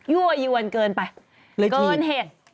ยั่วอีวันเกินไปเกินเหตุเลยถีบ